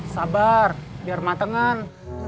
sabar biar matengan